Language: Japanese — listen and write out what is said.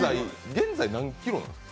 現在、何キロなんですか？